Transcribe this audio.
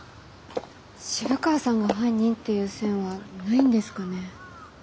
渋川さんが犯人っていう線はないんですかね。